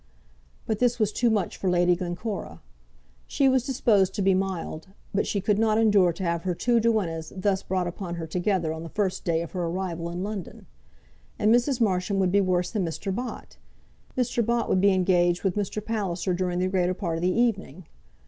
But this was too much for Lady Glencora. She was disposed to be mild, but she could not endure to have her two duennas thus brought upon her together on the first day of her arrival in London. And Mrs. Marsham would be worse than Mr. Bott. Mr. Bott would be engaged with Mr. Palliser during the greater part of the evening.